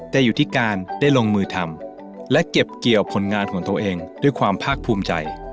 แต่อยู่ที่การได้ลงมือทำและเก็บเกี่ยวผลงานของตัวเองด้วยความภาคภูมิใจ